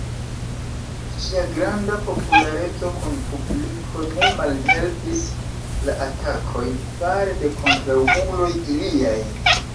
Ŝia granda populareco kun publiko ne malhelpis la atakojn fare de kontraŭuloj iliaj.